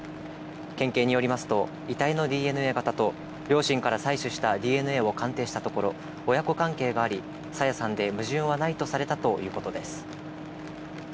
県警によりますと、遺体のＤＮＡ型と、両親から採取したＤＮＡを鑑定したところ、親子関係があり、朝芽さんで矛盾はないとされたということです。